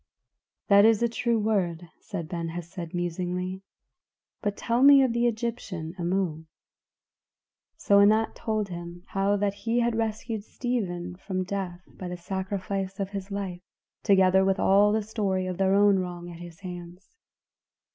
"That is a true word," said Ben Hesed musingly. "But tell me of the Egyptian, Amu." So Anat told him how that he had rescued Stephen from death by the sacrifice of his life, together with all the story of their own wrong at his hands.